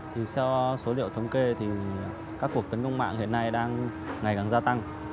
thì theo số liệu thống kê thì các cuộc tấn công mạng hiện nay đang ngày càng gia tăng